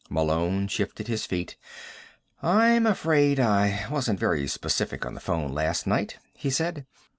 Malone shifted his feet. "I'm afraid I wasn't very specific on the phone last night," he said.